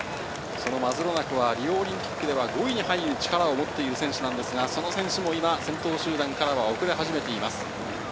マズロナクはリオオリンピックで５位に入る力を持っている選手ですが、その選手も先頭集団から遅れ始めています。